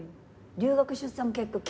留学出産結婚。